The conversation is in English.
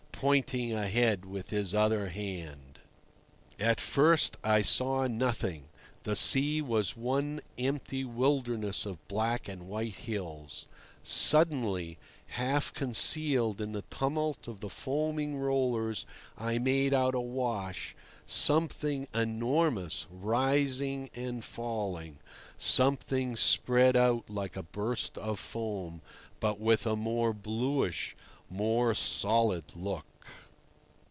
pointing ahead with his other hand. At first I saw nothing. The sea was one empty wilderness of black and white hills. Suddenly, half concealed in the tumult of the foaming rollers I made out awash, something enormous, rising and falling—something spread out like a burst of foam, but with a more bluish, more solid look.